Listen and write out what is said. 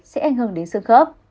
sẽ ảnh hưởng đến sương khớp